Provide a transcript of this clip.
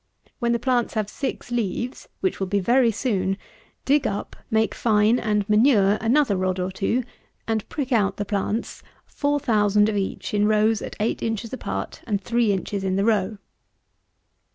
When the plants have six leaves, which will be very soon, dig up, make fine, and manure another rod or two, and prick out the plants, 4000 of each in rows at eight inches apart and three inches in the row.